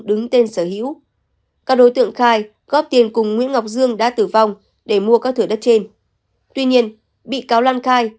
đứng tên sở hữu các đối tượng khai góp tiền cùng nguyễn ngọc dương đã tử vong để mua các thửa đất trên tuy nhiên bị cáo lan khai